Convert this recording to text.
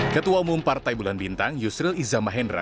ketua umum partai bulan bintang yusril izamahendra